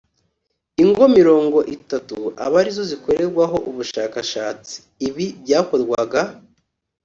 ingo mirongo itatu aba ari zo zikorerwaho ubushakashatsi ibi byakorwaga